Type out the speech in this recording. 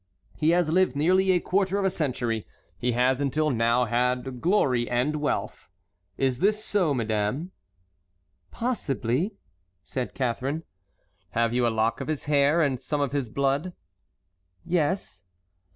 He has lived nearly a quarter of a century. He has until now had glory and wealth. Is this so, madame?" "Possibly," said Catharine. "Have you a lock of his hair, and some of his blood?" "Yes."